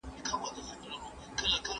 موږ باید له غیبت او بدو خبرو څخه لیرې واوسو.